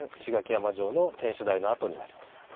石垣山城の天守台の跡になります。